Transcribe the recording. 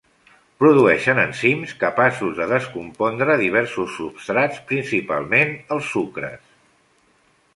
Produeixen enzims capaços de descompondre diversos substrats, principalment els sucres.